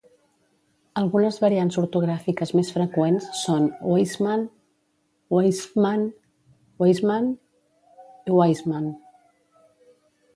Algunes variants ortogràfiques més freqüents són Weismann, Weissman, Weisman i Waismann.